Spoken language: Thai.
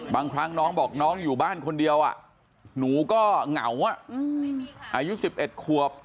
บางครั้งน้องบอกน้องอยู่บ้านคนเดียวหนูก็เหงาอายุ๑๑ขวบ